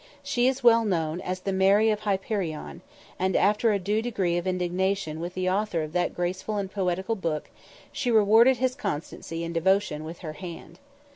She is well known as the Mary of Hyperion; and after a due degree of indignation with the author of that graceful and poetical book, she rewarded his constancy and devotion with her hand.